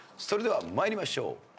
それでは参りましょう。